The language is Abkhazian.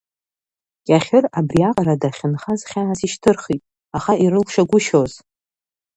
Кьахьыр абриаҟара дахьынхаз хьаас ишьҭырхит, аха ирылшагәышьоз.